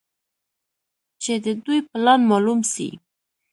چې د دوى پلان مالوم سي.